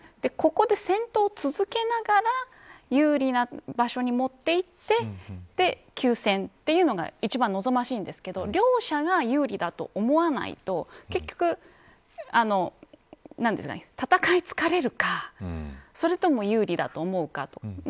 ここで戦闘を続けながら有利な場所に持っていってそれで休戦というのが一番望ましいんですけど両者が有利だと思わないと結局、戦い疲れるかそれとも有利だと思うか。